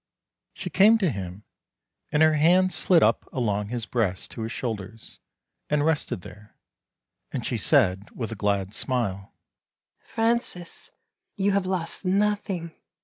She came to him, and her hands slid up along his breast to his shoulders, and rested there ; and she said, with a glad smile :" Francis, you have lost nothing.